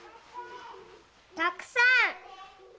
たくさん！